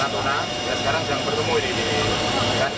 kemarin sore kita berangkat